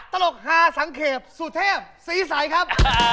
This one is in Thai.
ตลกฮาสังเกตสุเทพศรีใสครับ